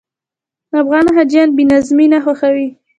افغان حاجیان بې نظمي نه خوښوي.